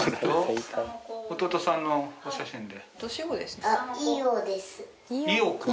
弟さんのお写真で？